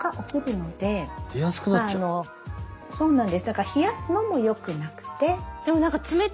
だから冷やすのもよくなくて。